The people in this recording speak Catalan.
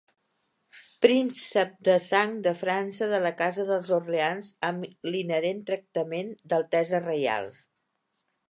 Príncep de sang de França de la casa dels Orleans amb l'inherent tractament d'altesa reial.